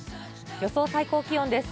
予想最高気温です。